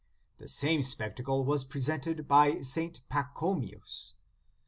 * The same spectacle was presented by St. Pachomius.